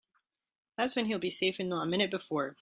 That's when he'll be safe and not a minute before.